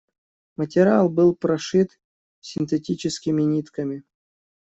Материал был прошит синтетическими нитками.